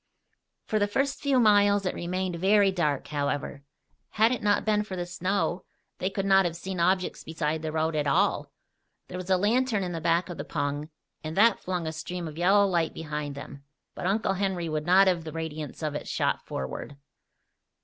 For the first few miles it remained very dark, however. Had it not been for the snow they could not have seen objects beside the road at all. There was a lantern in the back of the pung and that flung a stream of yellow light behind them; but Uncle Henry would not have the radiance of it shot forward.